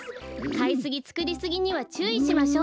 かいすぎつくりすぎにはちゅういしましょう。